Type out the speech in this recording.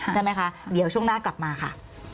ใช่ไหมคะเดี๋ยวช่วงหน้ากลับมาค่ะ